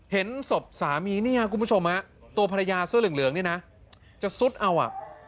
เห็นศพสามีเนี่ยคุณผู้ชมฮะตัวภรรยาเสื้อเหลืองนี่นะจะซุดเอาอ่ะ